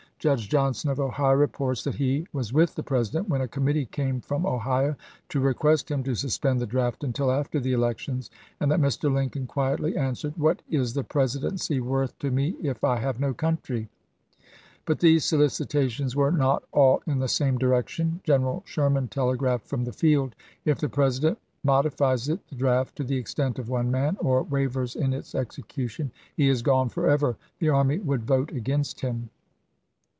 Judge Johnson of Ohio reports that he was with the President when a committee came from Ohio to request him to suspend the draft until after the elections, and that Mr. Lincoln quietly answered, " What is the Presidency worth to me if I have no country 1 " But these solicitations were not all in the same direction. General Sherman telegraphed from the field, " If the President modi fies it [the draft] to the extent of one man, or wavers in its execution, he is gone forever; the Sei?64.17' army would vote against him."